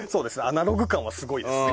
アナログ感はすごいです。